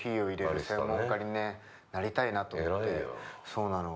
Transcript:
そうなの。